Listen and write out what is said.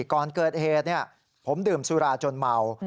ก่อนเกิดเหตุผมดื่มสุราจนเมา